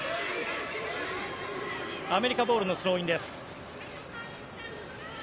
アメリカボールのスローイン。